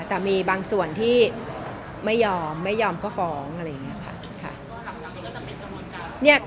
แต่มีบางส่วนที่ไม่ยอมไม่ยอมก็ฟ้องอะไรอย่างนี้ค่ะ